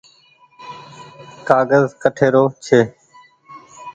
ڪآگز ڪٺي رو ڇي ۔